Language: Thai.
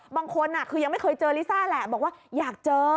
บางคนคือยังไม่เคยเจอลิซ่าแหละบอกว่าอยากเจอ